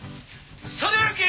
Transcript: それ行け！